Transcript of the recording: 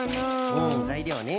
うんざいりょうね。